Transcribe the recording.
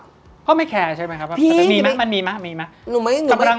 เพราะไม่แคร์ใช่ไหมครับมีมั้ยมีมั้ยมีมั้ย